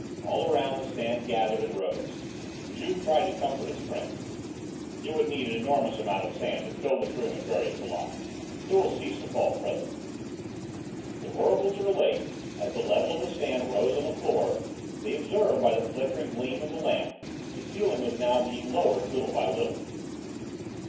All around the sand gathered and rose. Juve tried to comfort his friend: "It would need an enormous amount of sand to fill this room and bury us alive. It will cease to fall presently." But horrible to relate, as the level of the sand rose on the floor, they observed by the flickering gleam of the lamp, that the ceiling was now being lowered little by little.